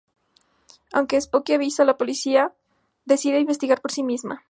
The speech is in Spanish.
Aunque Sookie avisa a la policía, decide investigar por sí misma.